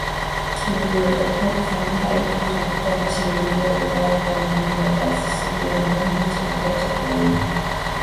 Lililotakiwa kufanyika ili kutafuta nchi iliyo bora kuwa mwenyeji wa taasisi hiyo, ambayo iliichagua Tanzania.